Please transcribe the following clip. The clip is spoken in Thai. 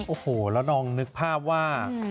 โอ้โหแล้วลองนึกภาพว่า